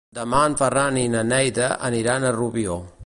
Demà en Ferran i na Neida aniran a Rubió.